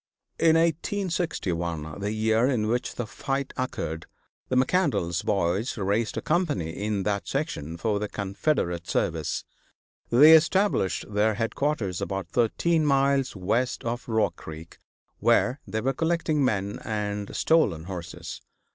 In 1861, the year in which the fight occurred, the McCandlas boys raised a company in that section for the Confederate service. They established their headquarters about thirteen miles west of Rock Creek, where they were collecting men and stolen horses.